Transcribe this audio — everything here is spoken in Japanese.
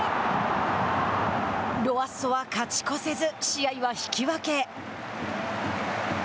ロアッソは勝ち越せず試合は引き分け。